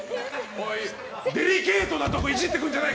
デリケートなところイジってくるんじゃない！